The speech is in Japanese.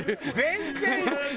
全然。